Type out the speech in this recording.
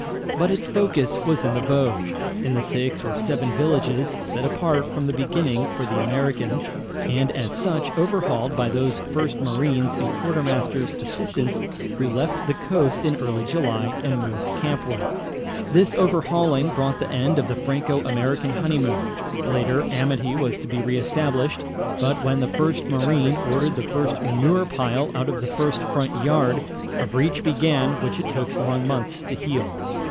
But its focus was in the Vosges, in the six or seven villages set apart from the beginning for the Americans, and as such, overhauled by those first marines and quartermaster's assistants who left the coast in early July and moved campward. This overhauling brought the end of the Franco American honeymoon. Later, amity was to be re established, but when the first marine ordered the first manure pile out of the first front yard, a breach began which it took long months to heal.